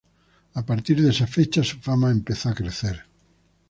A partir de esa fecha, su fama empezó a crecer.